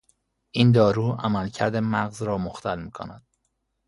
این دارو عملکرد مغز را مختل میکند.